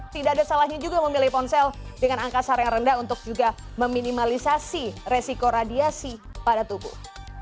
tidak ada salahnya juga memilih ponsel dengan angka sar yang rendah untuk juga meminimalisasi resiko radiasi pada tubuh